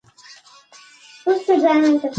آیا ته د خپل شعور په تل کې پټې خبرې اورېدلی شې؟